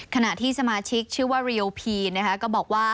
ขณะที่สมาชิกชื่อว่าเรียวพีนะคะก็บอกว่า